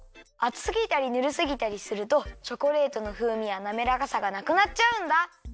あつすぎたりぬるすぎたりするとチョコレートのふうみやなめらかさがなくなっちゃうんだ。